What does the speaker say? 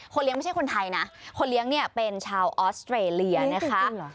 เลี้ยงไม่ใช่คนไทยนะคนเลี้ยงเนี่ยเป็นชาวออสเตรเลียนะคะ